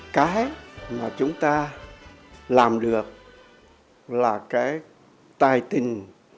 cái mà chúng ta làm được là cái tài tình